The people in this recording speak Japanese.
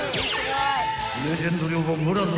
［レジェンド寮母村野